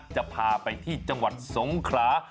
จะพาไปที่จังหวัดสงขรา